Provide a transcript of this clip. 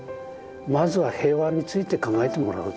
まずは平和について考えてもらうと。